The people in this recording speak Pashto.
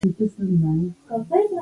ښځه او مېړه د يو بل جامې وي